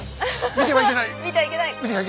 見てはいけない！